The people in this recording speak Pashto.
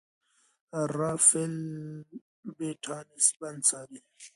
رافایل بیټانس بند څاري.